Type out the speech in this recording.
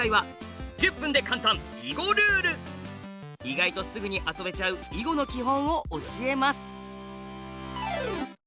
意外とすぐに遊べちゃう囲碁の基本を教えます。